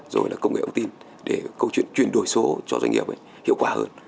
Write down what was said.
rồi là công nghệ ống tin để câu chuyện chuyển đổi số cho doanh nghiệp hiệu quả hơn